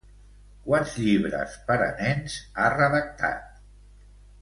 Quants llibres per a nens ha redactat?